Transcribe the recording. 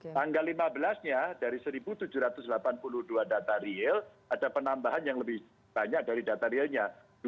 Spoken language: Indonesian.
tanggal lima belas nya dari satu tujuh ratus delapan puluh dua data real ada penambahan yang lebih banyak dari data realnya